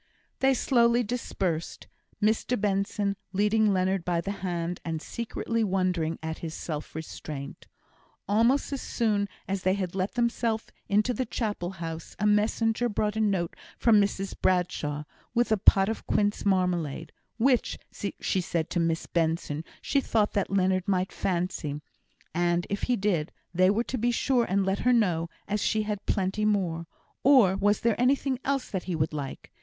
They slowly dispersed; Mr Benson leading Leonard by the hand, and secretly wondering at his self restraint. Almost as soon as they had let themselves into the Chapel house, a messenger brought a note from Mrs Bradshaw, with a pot of quince marmalade, which, she said to Miss Benson, she thought that Leonard might fancy, and if he did, they were to be sure and let her know, as she had plenty more; or, was there anything else that he would like?